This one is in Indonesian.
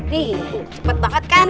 nih cepet banget kan